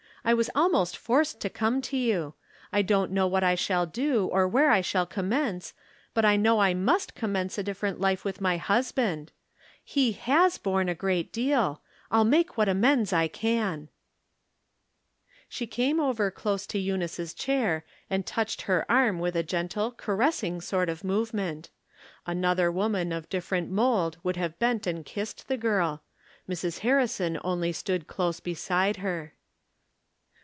I was almost forced to come to you. I don't know what I shall do or where I shall commence ; but I know I must commence a different life with my hus 340 From Different Standpoints. band. He has borne a great deal. I'll make what amends I can." She came over close to Ennice's chair, and touched her arm with a gentle, caressing sort of movement. Another woman of different mold would have bent and kissed the girl. Mrs. Har rison only stood close beside her.